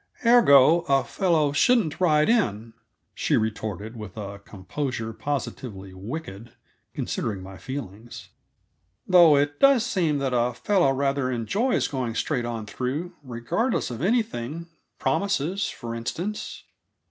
"Ergo, a fellow shouldn't ride in," she retorted, with a composure positively wicked, considering my feelings. "Though it does seem that a fellow rather enjoys going straight on through, regardless of anything; promises, for instance."